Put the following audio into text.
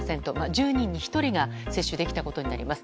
１０人に１人が接種できたことになります。